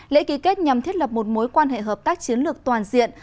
lễ ký kết nhằm thiết lập một mối quan hệ hợp tác chiến lược toàn diện